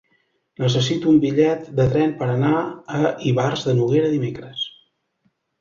Necessito un bitllet de tren per anar a Ivars de Noguera dimecres.